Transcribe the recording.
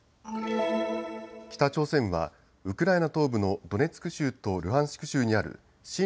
北朝鮮はウクライナ東部のドネツク州とルハンシク州にある親